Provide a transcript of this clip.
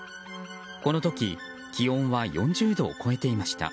この時気温は４０度を超えていました。